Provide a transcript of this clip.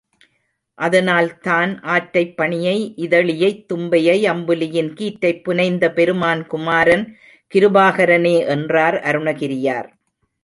அதனால்தான், ஆற்றைப் பணியை இதழியைத் தும்பையை அம்புலியின் கீற்றைப் புனைந்த பெருமான் குமாரன் கிருபாகரனே என்றார் அருணகிரியார்.